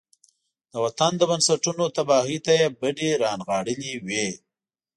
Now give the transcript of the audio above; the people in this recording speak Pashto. د وطن د بنسټونو تباهۍ ته يې بډې را نغاړلې وي.